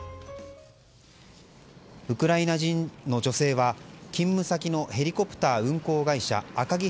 ウクライナ人の女性は勤務先のヘリコプター運航会社アカギ